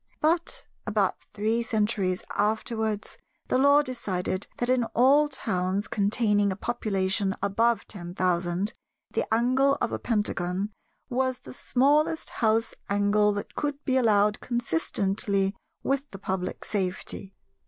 But, about three centuries afterwards, the Law decided that in all towns containing a population above ten thousand, the angle of a Pentagon was the smallest house angle that could be allowed consistently with the public safety.